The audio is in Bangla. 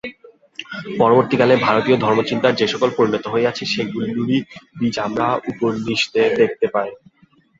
পরবর্তী কালে ভারতীয় ধর্মচিন্তার যে-সকল পরিণতি হইয়াছে, সেগুলিরও বীজ আমরা উপনিষদে দেখিতে পাই।